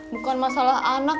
bukan masalah anak